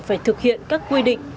phải thực hiện các quy định